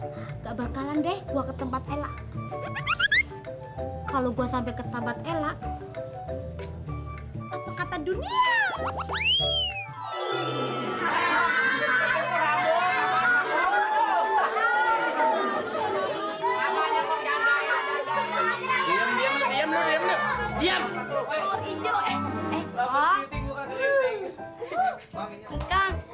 hai gak bakalan deh gua ke tempat ella kalau gua sampai ke tempat ella kata dunia